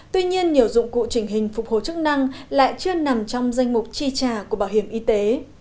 tuy nhiên nhiều dụng cụ trình hình phục hồi chức năng lại chưa nằm trong danh mục chi trả của bảo hiểm y tế